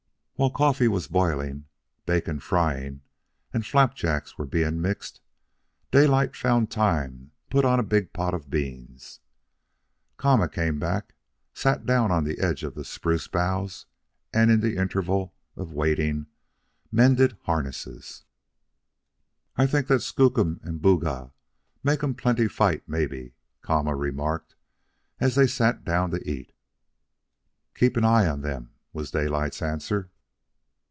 While coffee was boiling, bacon frying, and flapjacks were being mixed, Daylight found time to put on a big pot of beans. Kama came back, sat down on the edge of the spruce boughs, and in the interval of waiting, mended harness. "I t'ink dat Skookum and Booga make um plenty fight maybe," Kama remarked, as they sat down to eat. "Keep an eye on them," was Daylight's answer.